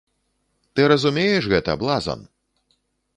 Ты разумееш гэта, блазан?